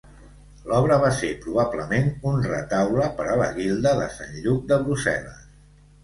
L'obra va ser probablement un retaule per a la guilda de Sant Lluc de Brussel·les.